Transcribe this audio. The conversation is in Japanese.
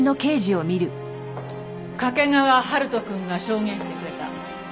掛川春人くんが証言してくれた。